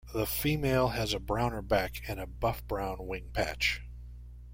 The female has a browner back and a buff-brown wing patch.